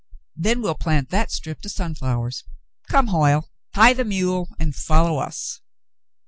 Then we'll plant that strip to sunflowers. Come, Hoyle, tie the mule and follow us."